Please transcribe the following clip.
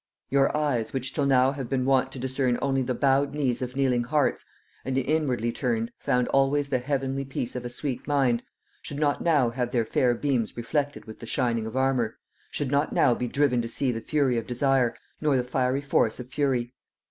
Your eyes, which till now have been wont to discern only the bowed knees of kneeling hearts, and, inwardly turned, found always the heavenly peace of a sweet mind, should not now have their fair beams reflected with the shining of armour, should not now be driven to see the fury of desire, nor the fiery force of fury.